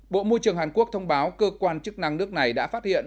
bộ môi trường hàn quốc thông báo cơ quan chức năng nước này đã phát hiện